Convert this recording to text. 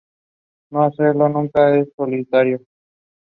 The female basal lamellae are dilated in most specimens.